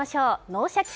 「脳シャキ！